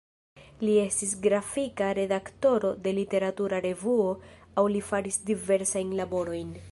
Li estis grafika redaktoro de literatura revuo aŭ li faris diversajn laborojn.